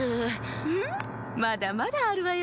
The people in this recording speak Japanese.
フフフまだまだあるわよ。